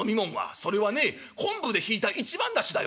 「それはね昆布でひいた一番だしだよ」。